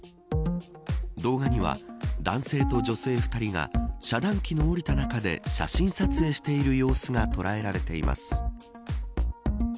動画には男性と女性２人が遮断機の降りた中で写真撮影をしている様子が捉えられています。